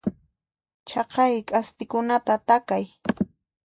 Chaqay k'aspikunata takay.